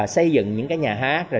xây dựng những nhà hát